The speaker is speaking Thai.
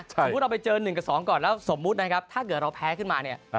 สมมุติเราไปเจอ๑กับ๒ก่อนแล้วสมมุตินะครับถ้าเกิดเราแพ้ขึ้นมาเนี่ย